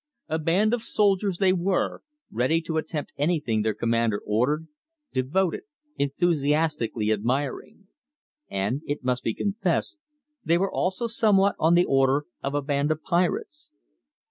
A band of soldiers they were, ready to attempt anything their commander ordered, devoted, enthusiastically admiring. And, it must be confessed, they were also somewhat on the order of a band of pirates.